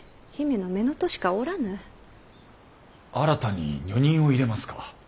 新たに女人を入れますか？